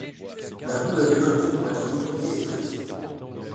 La boue est récoltée pour être nettoyée et traitée.